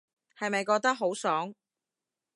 係咪覺得好爽